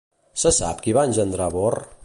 Se sap qui va engendrar Borr?